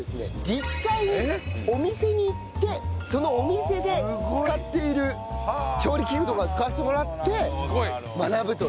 実際にお店に行ってそのお店で使っている調理器具とかを使わせてもらって学ぶという。